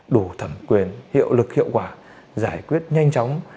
đủ thẩm quyền hiệu lực hiệu quả giải quyết nhanh chóng